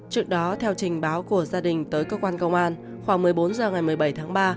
trước đó theo trình báo của gia đình tới cơ quan công an khoảng một mươi bốn h ngày một mươi bảy tháng ba